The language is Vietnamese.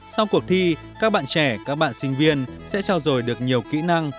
sau cuộc thi các bạn trẻ các bạn sinh viên sẽ trao dồi được nhiều kỹ năng